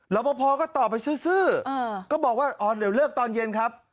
รับประพอก็ตอบไปซื้อก็บอกว่าอ๋อเดี๋ยวเลิกตอนเย็นครับ